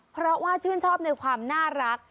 เพราะว่าชื่นชอบในความน่ารัก